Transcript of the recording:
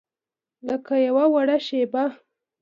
لکه یوه وړه شیبه